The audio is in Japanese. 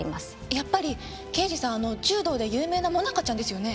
やっぱり刑事さん柔道で有名な萌奈佳ちゃんですよね？